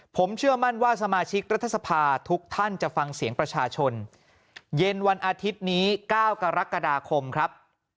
ผมเชื่อมั่นว่าสมาชิกรัฐสภาทุกท่านจะฟังเสียงประชาชนเย็นวันอาทิตย์นี้๙กรกฎาคมครับ